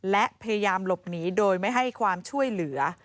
และพยายามหลบหนีโดยไม่ให้ความช่วยเหลือ